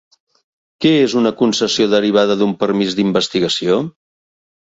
Què és una concessió derivada d'un permís d'investigació?